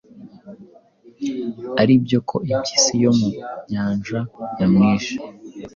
aribyoko impyisi yo mu nyanja yamwishe